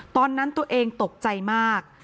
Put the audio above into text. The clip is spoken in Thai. ตอนนั้นตัวเองตกใจมาก